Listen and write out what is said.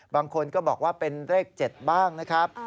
บางคนก็บอกว่าเป็นเลข๗บ้างนะครับ